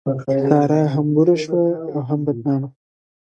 سارا هم بوره شوه او هم بدنامه.